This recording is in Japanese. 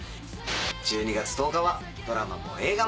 １２月１０日はドラマも映画も。